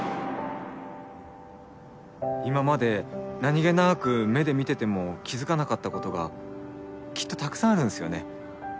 今まで何げなく目で見てても気付かなかったことがきっとたくさんあるんすよね。